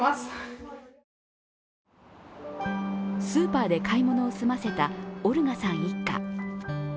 スーパーで買い物を済ませたオルガさん一家。